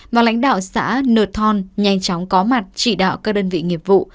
và lãnh đạo xã nờ thon nhanh chóng có mặt chỉ đạo các đơn vị nghiệp vụ